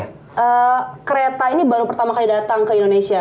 nah kereta ini baru pertama kali datang ke indonesia